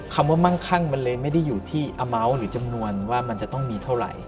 คำว่ามั่งคั่งมันเลยไม่ได้อยู่ที่อเม้าหรือจำนวนว่ามันจะต้องมีเท่าไหร่